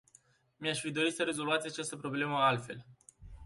Mi-aș fi dorit să rezolvați această problemă altfel.